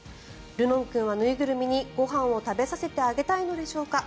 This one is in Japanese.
るのん君は縫いぐるみにご飯を食べさせてあげたいのでしょうか。